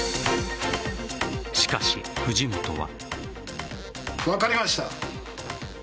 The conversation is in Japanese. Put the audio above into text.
しかし、藤本は。